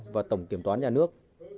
và tổng kiểm toán nhà nước